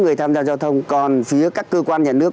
người tham gia giao thông còn phía các cơ quan nhà nước